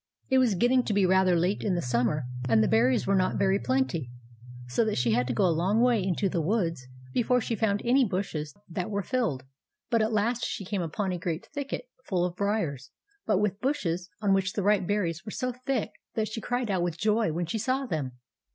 It was getting to be rather late in the summer, and the berries were not very plenty, so that she had to go a long way into the woods before she found any bushes that were well filled. But at last she came upon a great thicket, full of briars, but with bushes on which the ripe berries were so thick that she cried out with joy when she saw them.